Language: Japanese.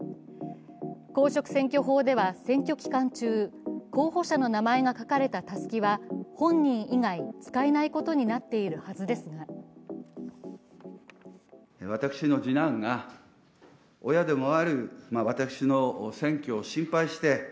公職選挙法では選挙期間中、候補者の名前が書かれたたすきは本人以外、使えないことになっているはずですが苦しい答弁が続く秋葉大臣。